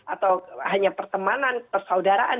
atau hanya pertemanan persaudaraan